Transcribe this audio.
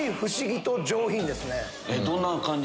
どんな感じ？